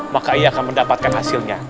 maka ia akan mendapatkan hasilnya